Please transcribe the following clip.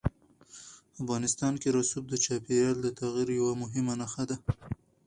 افغانستان کې رسوب د چاپېریال د تغیر یوه مهمه نښه ده.